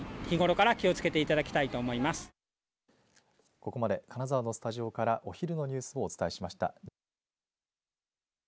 ここまで金沢のスタジオからお昼のニュースをお伝えしました。